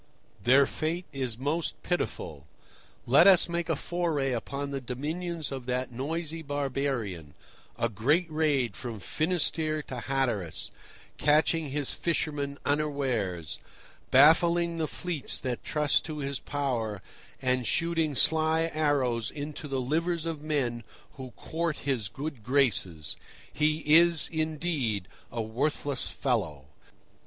Their fate is most pitiful. Let us make a foray upon the dominions of that noisy barbarian, a great raid from Finisterre to Hatteras, catching his fishermen unawares, baffling the fleets that trust to his power, and shooting sly arrows into the livers of men who court his good graces. He is, indeed, a worthless fellow."